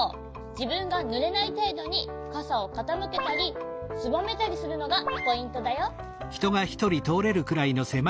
じぶんがぬれないていどにかさをかたむけたりすぼめたりするのがポイントだよ。